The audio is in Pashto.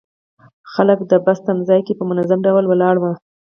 خلک د بس تمځي کې په منظم ډول ولاړ وو.